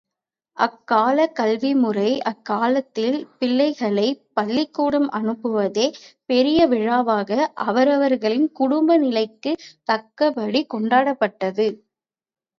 அக்காலக் கல்வி முறை அக்காலத்தில் பிள்ளைகளைப் பள்ளிக்கூடம் அனுப்புவதே பெரிய விழாவாக அவரவர்களின் குடும்ப நிலைக்குத் தக்கபடி கொண்டாடப்பட்டது.